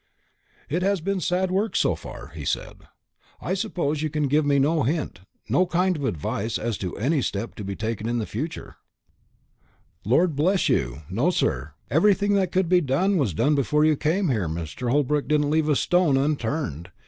"It has been sad work, so far," he said. "I suppose you can give me no hint, no kind of advice as to any step to be taken in the future." "Lord bless you, no sir. Everything that could be done was done before you came here. Mr. Holbrook didn't leave a stone unturned.